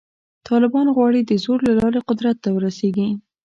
طالبان غواړي د زور له لارې قدرت ته ورسېږي.